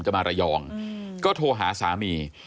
จะมาระยองก็โทรหาสามี